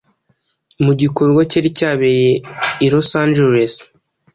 mu gikorwa cyari cyabereye i Los Angeles